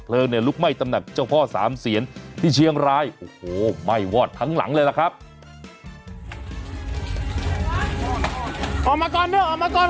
เพลิงลุกไหม้ตำหนักเจ้าพ่อ๓เสียนที่เชียงรายไหม้วอดทั้งหลังเลย